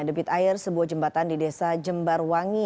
debit air sebuah jembatan di desa jembarwangi